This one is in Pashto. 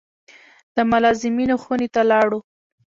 د ملازمینو خونې ته لاړو.